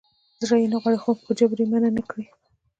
زړه یې نه غواړي خو په جبر یې منع نه کړي.